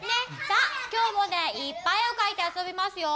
さあきょうもねいっぱいえをかいてあそびますよ。